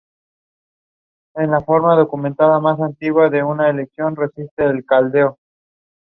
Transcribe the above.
The third season adapts volumes nine to eleven of the light novel.